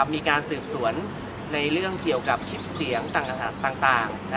มีการสืบสวนในเรื่องเกี่ยวกับคลิปเสียงต่าง